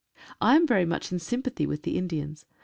1 am very much in sympathy with the Indians.